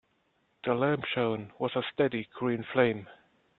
The lamp shone with a steady green flame.